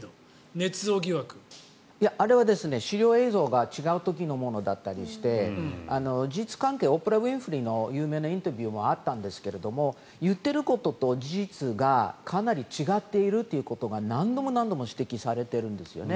あれは資料映像が違う時のものだったりして事実関係オプラ・ウィンフリーの有名なインタビューもあったんですが言っていることと事実がかなり違うということが何度も指摘されているんですね。